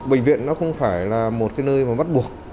bệnh viện nó không phải là một cái nơi mà bắt buộc